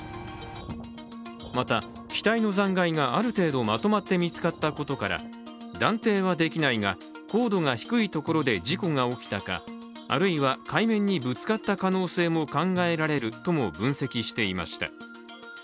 また、機体の残骸がある程度まとまって見つかったことから断定はできないが、高度が低いところで事故が起きたかあるいは海面にぶつかった可能性も考えられるとも分析していました。